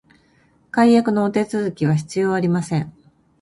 解約のお手続きは必要ありません